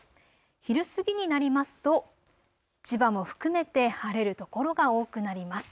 昼過ぎになりますと千葉も含めて晴れる所が多くなります。